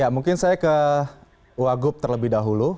mungkin saya ke wagub terlebih dahulu